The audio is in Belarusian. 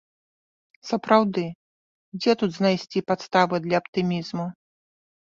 Сапраўды, дзе тут знайсці падставы для аптымізму?